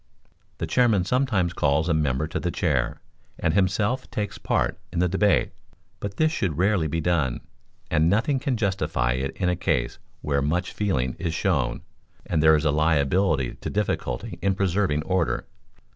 The chairman sometimes calls a member to the chair, and himself takes part in the debate. But this should rarely be done, and nothing can justify it in a case where much feeling is shown, and there is a liability to difficulty in preserving order.